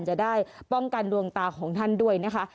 จะได้ป้องกันดวงตาของท่านด้วยนะคะ